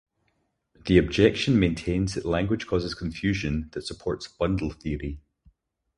The objection maintains that language causes confusion that supports bundle theory.